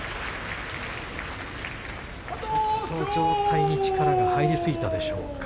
ちょっと上体に力が入りすぎたでしょうか。